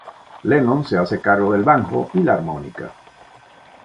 Lennon se hace cargo del banjo y la armónica.